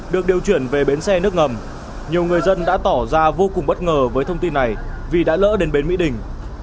được điều chuyển về bến xe nước ngầm nhiều người dân đã tỏ ra vô cùng bất ngờ với thông tin này vì đã lỡ đến bến mỹ đình